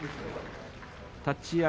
立ち合い